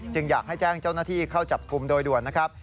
อยากให้แจ้งเจ้าหน้าที่เข้าจับกลุ่มโดยด่วนนะครับ